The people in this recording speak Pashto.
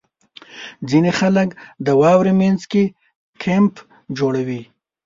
• ځینې خلک د واورې مینځ کې کیمپ جوړوي.